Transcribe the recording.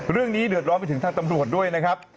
เรื่องนี้เดือดร้อนไปถึงทางตำรวจด้วยนะครับ